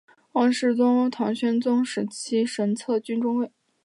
王宗实唐宣宗时期神策军中尉。